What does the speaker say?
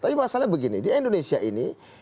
tapi masalahnya begini di indonesia ini